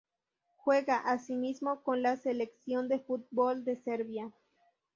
Juega, asimismo, con la selección de fútbol de Serbia.